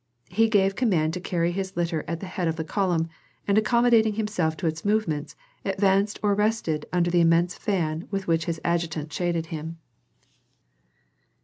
He gave command to carry his litter at the head of the column, and accommodating himself to its movements, advanced or rested under the immense fan with which his adjutant shaded him.